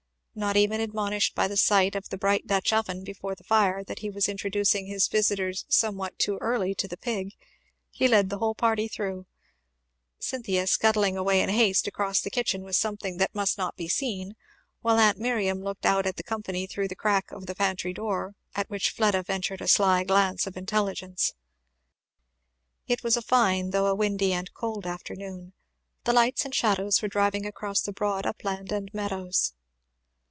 Not even admonished by the sight of the bright Dutch oven before the fire that he was introducing his visitors somewhat too early to the pig, he led the whole party through, Cynthia scuttling away in haste across the kitchen with something that must not be seen, while aunt Miriam looked out at the company through the crack of the pantry door, at which Fleda ventured a sly glance of intelligence. It was a fine though a windy and cold afternoon; the lights and shadows were driving across the broad upland and meadows.